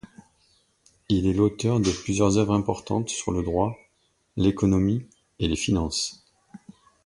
Il est l'auteur de plusieurs œuvres importantes sur le droit, l'économie et les finances.